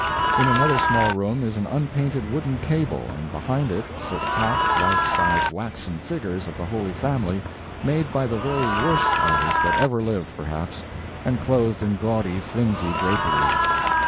In another small room is an unpainted wooden table, and behind it sit half life size waxen figures of the Holy Family, made by the very worst artist that ever lived, perhaps, and clothed in gaudy, flimsy drapery.